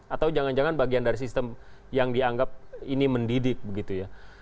atau jangan jangan bagian dari sistem yang dianggap ini mendidik begitu ya